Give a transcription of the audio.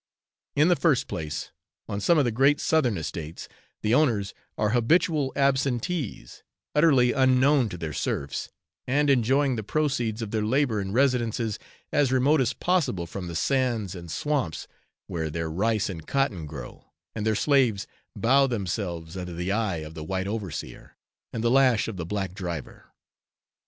In the first place, on some of the great Southern estates, the owners are habitual absentees, utterly unknown to their serfs, and enjoying the proceeds of their labour in residences as remote as possible from the sands and swamps where their rice and cotton grow, and their slaves bow themselves under the eye of the white overseer, and the lash of the black driver.